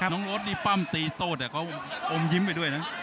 น้องโรสนี่ปั้มตีโต๊ดเขาโอมยิ้มไปด้วยนะ